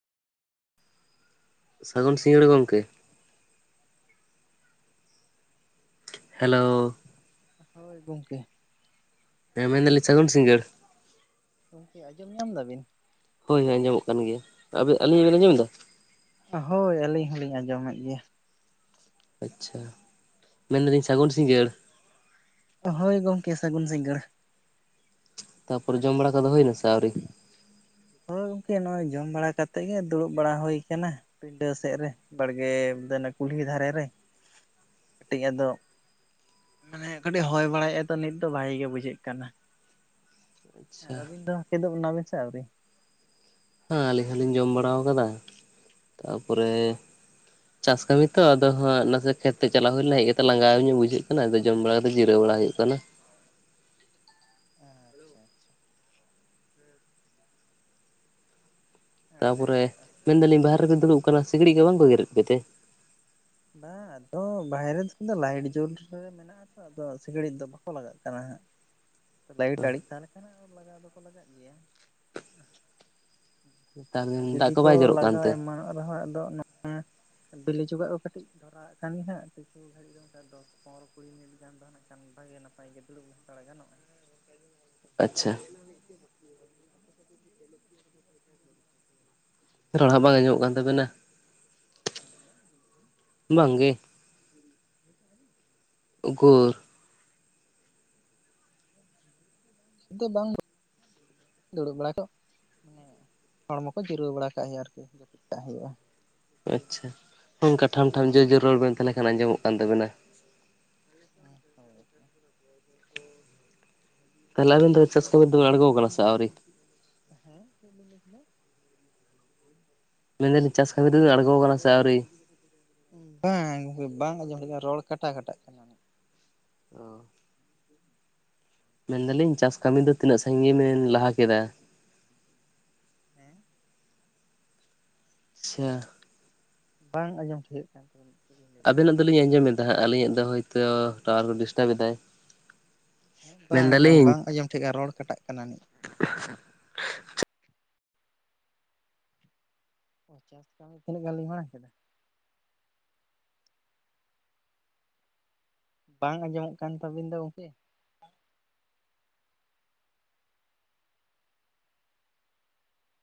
ᱥᱟᱹᱜᱚᱱ ᱥᱤᱝᱜᱟᱹᱲ ᱜᱚᱢᱠᱮ ᱾ ᱦᱮᱞᱳ ᱦᱳᱭ ᱜᱚᱢᱠᱮ ᱾ ᱦᱮᱸ ᱢᱮᱱᱮᱫᱟᱞᱤᱧ ᱥᱟᱹᱜᱩᱱ ᱥᱤᱝᱜᱟᱹᱲ ᱾ ᱜᱚᱢᱠᱮ ᱟᱸᱡᱚᱢ ᱧᱟᱢ ᱫᱟᱵᱤᱱ? ᱦᱚᱭ ᱟᱸᱡᱚᱢᱚᱜ ᱠᱟᱱ ᱜᱮᱭᱟ, ᱟᱵᱮᱱ ᱟᱹᱞᱤᱧᱟᱜ ᱵᱮᱱ ᱟᱸᱡᱚᱢ ᱫᱟ? ᱦᱳᱭ ᱟᱹᱞᱤᱧ ᱦᱚᱸ ᱞᱤᱧ ᱟᱸᱡᱚᱢᱮᱫ ᱜᱮᱭᱟ᱾ ᱟᱪᱷᱟ ᱢᱮᱱ ᱫᱟᱹᱞᱤᱧ ᱥᱟᱹᱜᱩᱱ ᱥᱤᱸᱜᱟᱹᱲ᱾ ᱦᱚᱭ ᱜᱚᱝᱠᱮ ᱥᱟᱹᱜᱩᱱ ᱥᱤᱝᱜᱟᱹᱲ᱾ ᱛᱟ ᱯᱚᱨᱮ ᱡᱚᱢ ᱵᱟᱲᱟ ᱠᱚᱫᱚ ᱦᱚᱭᱱᱟ ᱥᱮ ᱟᱹᱣᱨᱤ? ᱦᱚᱭ ᱜᱚᱝᱠᱮ ᱱᱚᱚᱭ ᱡᱚᱢ ᱵᱟᱲᱟ ᱠᱟᱛᱮᱜ ᱜᱮ ᱫᱩᱲᱩᱵ ᱵᱟᱲᱟ ᱦᱚᱭ ᱠᱟᱱᱟ᱾ ᱯᱤᱸᱰᱟᱹ ᱥᱮᱫ ᱨᱮ ᱵᱟᱲᱜᱮ ᱫᱟᱹᱱ ᱠᱩᱞᱦᱤ ᱫᱷᱟᱨᱮ ᱨᱮ᱾ ᱠᱟᱹᱴᱤᱡ ᱟᱫᱚ, ᱢᱟᱱᱮ ᱠᱟᱹᱴᱤᱡ ᱦᱚᱭ ᱵᱟᱲᱟ ᱭᱮᱜ ᱟᱭ ᱛᱚ ᱱᱤᱛ ᱫᱚ ᱵᱷᱟᱜᱮ ᱜᱮ ᱵᱩᱡᱷᱟᱹᱜ ᱠᱟᱱᱟ᱾ ᱟᱨ ᱟᱪᱪᱷᱟ ᱟᱹᱵᱤᱱ ᱫᱚ ᱠᱤᱫᱚᱜ ᱱᱟ ᱵᱤᱱ ᱥᱮ ᱟᱹᱣᱨᱤ? ᱦᱟᱸ ᱟᱹᱞᱤᱧ ᱦᱚᱸ ᱞᱤᱧ ᱡᱚᱢ ᱵᱟᱲᱟᱣ ᱠᱟᱫᱟ ᱛᱟ ᱯᱚᱨᱮ ᱪᱟᱥ ᱠᱟᱹᱢᱤ ᱛᱚ ᱟᱫᱚ ᱦᱟᱸᱜ ᱱᱟᱥᱮ ᱠᱷᱮᱛ ᱛᱮ ᱪᱟᱞᱟᱣ ᱦᱚᱭ ᱞᱮᱱᱟ ᱤᱭᱟᱹ ᱛᱮ ᱞᱟᱸᱜᱟᱣ ᱧᱚᱜ ᱵᱩᱡᱷᱟᱹᱜ ᱠᱟᱱᱟ᱾ ᱡᱚᱢ ᱵᱟᱲᱟ ᱠᱟᱛᱮᱫ ᱡᱤᱨᱟᱹᱣ ᱵᱟᱲᱟ ᱦᱩᱭᱩᱜ ᱠᱟᱱᱟ᱾ ᱟᱪᱷᱟ ᱟᱪᱷᱟ᱾ ᱛᱟ ᱟᱹᱰᱤ ᱯᱚᱨᱮ ᱱᱟᱯᱟᱭ ᱢᱮᱱ ᱫᱟᱹᱞᱤᱧ ᱵᱟᱦᱨᱮ ᱨᱮᱵᱮᱱ ᱫᱩᱲᱩᱵ ᱠᱟᱱᱟ᱾ ᱥᱤᱠᱬᱤᱡ ᱠᱩ ᱵᱟᱝ ᱠᱚ ᱜᱮᱨᱮᱫ ᱯᱮ ᱛᱮ? ᱵᱟ ᱟᱫᱚ ᱵᱟᱦᱨᱮ ᱫᱚᱢ ᱫᱚ ᱞᱟᱭᱤᱴ ᱡᱚᱞ ᱨᱮ ᱢᱮᱱᱟᱜᱼᱟ᱾ ᱱᱤᱛᱚᱜ ᱫᱚ ᱥᱤᱠᱬᱤᱡ ᱫᱚ ᱵᱟᱠᱚ ᱞᱟᱜᱟᱜ ᱠᱟᱱᱟ ᱦᱟᱸᱜ ᱞᱟᱭᱤᱴ ᱟᱹᱬᱤᱡ ᱠᱟᱜ ᱞᱮᱠᱷᱟᱱ ᱦᱟᱸᱜ ᱞᱟᱜᱟᱣ ᱫᱚᱠᱚ ᱞᱟᱜᱟᱜᱼᱟ᱾ ᱜᱤᱭᱟ ᱱᱮᱛᱟᱨ ᱟᱨ ᱫᱤᱱ ᱫᱟᱜ ᱡᱩᱫᱤ ᱠᱚ ᱵᱟᱭ ᱡᱚᱨᱚᱜ ᱞᱟᱜᱟᱣ ᱠᱟᱱᱛᱮ ᱮᱢᱟᱱᱚᱜ ᱟᱨᱦᱚᱸ ᱦᱟᱸᱜ ᱫᱚ ᱚᱱᱟ ᱵᱤᱞᱤ ᱪᱚᱠᱟᱜ ᱠᱚ ᱠᱟᱹᱴᱤᱡ ᱫᱷᱚᱨᱟᱣᱮᱜ ᱠᱟᱱ ᱜᱮ ᱦᱟᱸᱜ ᱠᱤᱪᱷᱩ ᱜᱷᱟᱹᱲᱤᱡ ᱫᱚᱥ ᱯᱚᱱᱨᱚ ᱠᱩᱲᱤ ᱢᱤᱱᱤᱴ ᱱᱟᱠᱷᱟᱱ ᱵᱷᱟᱜᱮ ᱱᱟᱯᱟᱭ ᱜᱤ ᱫᱩᱲᱩᱵ ᱦᱟᱛᱟᱲ ᱜᱟᱱᱚᱜᱼᱟ᱾ ᱟᱪᱷᱟ᱾ ᱨᱚᱲ ᱵᱟᱝ ᱟᱸᱡᱚᱢᱚᱜ ᱠᱟᱱ ᱛᱟᱵᱮᱱᱟ᱾ ᱵᱟᱝ ᱜᱮ, ᱩᱠᱩᱨ᱾ ᱫᱚ ᱵᱟᱝ, ᱫᱩᱲᱩᱵ ᱵᱟᱲᱟ ᱠᱚᱜ᱾ ᱦᱮᱸ ᱦᱚᱲᱢᱚ ᱠᱚ ᱡᱤᱨᱟᱹᱣ ᱵᱟᱲᱟ ᱠᱟᱜ ᱦᱩᱭᱩᱜ-ᱟ᱾ ᱟᱨᱠᱩ ᱡᱟᱹᱯᱤᱫ ᱠᱟᱜ ᱦᱩᱭᱩᱜᱼᱟ᱾ ᱟᱪᱪᱷᱟ ᱱᱚᱝᱠᱟ ᱴᱷᱟᱱ ᱴᱷᱟ ᱡᱚᱨ ᱡᱚᱨ ᱨᱚᱲ ᱵᱮᱱ ᱛᱟᱦᱞᱮ ᱠᱷᱟᱱ ᱟᱸᱡᱚᱢᱚᱜ ᱠᱟᱱ ᱛᱟᱵᱮᱱᱟ᱾ [unintelligible] ᱛᱟᱦᱚᱞᱮ ᱟᱵᱤᱱ ᱫᱚ ᱪᱟᱥ ᱠᱟᱢᱤ ᱨᱮᱫᱚ ᱵᱤᱱ ᱟᱬᱜᱚ ᱠᱟᱱᱟ ᱥᱮ ᱟᱹᱣᱨᱤ? ᱦᱮᱸ ᱩᱫ ᱞᱮᱠᱷᱟ ᱱᱮ᱾ ᱢᱮᱱ ᱫᱟᱹᱞᱤᱧ ᱪᱟᱥ ᱠᱟᱹᱢᱤ ᱨᱮᱵᱮ ᱟᱬᱜᱚ ᱠᱟᱱᱟ ᱥᱮ ᱟᱹᱣᱨᱤ᱾ ᱵᱟᱝ ᱜᱚᱢᱠᱮ ᱵᱟᱝ ᱟᱸᱡᱚᱢ ᱦᱤᱡᱩᱜ ᱠᱟᱱᱟ ᱨᱚᱲ ᱠᱟᱴᱟ ᱠᱟᱴᱟᱜ ᱠᱟᱱᱟ᱾ ᱚ ᱢᱮᱱ ᱫᱟᱹᱞᱤᱧ ᱪᱟᱥ ᱠᱟᱹᱢᱤ ᱫᱚ ᱛᱤᱱᱟᱹᱜ ᱥᱟᱹᱜᱤᱧ ᱵᱮᱱ ᱞᱟᱦᱟ ᱠᱮᱫᱟ᱾ ᱦᱮᱸ ᱟᱪᱷᱟ ᱵᱟᱝ ᱟᱸᱡᱚᱢ ᱴᱷᱤᱠᱟᱹᱜ ᱠᱟᱱ ᱛᱟᱵᱮᱱᱟ ᱯᱩᱨᱩᱱᱚᱜ᱾ ᱟᱵᱮ ᱱᱟᱜ ᱫᱩᱞᱤᱧ ᱟᱸᱡᱚᱢᱮᱫᱟ ᱦᱟᱸᱜ ᱟᱹᱞᱤᱧᱟᱜ ᱫᱚ ᱦᱚᱭᱛᱚ ᱴᱟᱣᱚᱨ ᱰᱤᱥᱴᱟᱵ ᱮᱫᱟᱭ᱾ ᱦᱩᱸ ᱵᱟᱝ ᱵᱟᱢ ᱢᱮᱱᱫᱟᱞᱤᱧ ᱵᱟᱝ ᱟᱸᱡᱚᱢ ᱴᱷᱤᱠᱟ ᱨᱚᱲ ᱠᱟᱴᱟᱜ ᱠᱟᱱᱟ ᱢᱤᱫ᱾ [inaudible] ᱳ ᱪᱟᱥ ᱛᱟᱦᱞᱮ ᱛᱤᱱᱟᱹᱜ ᱜᱟᱱ ᱵᱮᱱ ᱢᱟᱬᱟᱝ ᱠᱮᱫᱟ᱾ ᱵᱟᱝ ᱟᱸᱡᱚᱢᱚᱜ ᱠᱟᱱ ᱛᱟᱵᱤᱱ ᱫᱚ ᱜᱚᱝᱠᱮ᱾